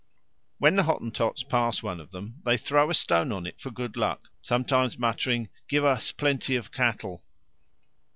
When the Hottentots pass one of them, they throw a stone on it for good luck, sometimes muttering, "Give us plenty of cattle."